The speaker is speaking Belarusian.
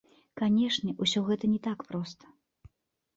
Канешне, усё гэта не так проста.